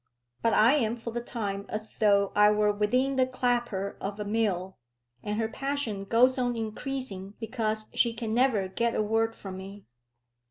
But I am for the time as though I were within the clapper of a mill; and her passion goes on increasing because she can never get a word from me.